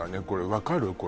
これ分かる？